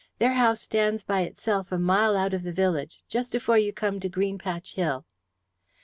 Their house stands by itself a mile out of the village, just afore you come to Green Patch Hill."